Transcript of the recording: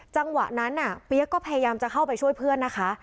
จังหวะนั้นเปี๊ยกก็พยายามจะเข้าไปช่วยเพื่อนนะคะ